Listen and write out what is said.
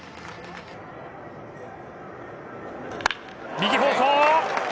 右方向。